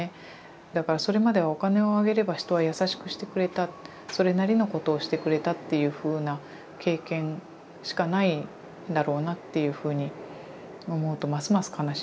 だからそれまではお金をあげれば人は優しくしてくれたそれなりのことをしてくれたっていうふうな経験しかないんだろうなっていうふうに思うとますます悲しいんですけれど。